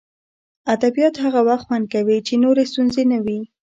ادبیات هغه وخت خوند کوي چې نورې ستونزې نه وي